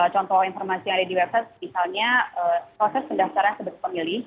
contoh informasi yang ada di website misalnya proses pendaftaran sebagai pemilih